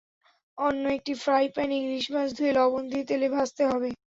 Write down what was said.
অন্য একটি ফ্রাইপ্যানে ইলিশ মাছ ধুয়ে লবণ দিয়ে তেলে ভাজতে হবে।